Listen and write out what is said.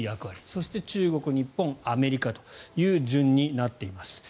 そして中国、日本、アメリカという順になっています。